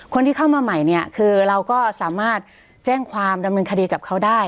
คนที่เข้ามาใหม่เนี่ยคือเราก็สามารถแจ้งความดำเนินคดีกับเขาได้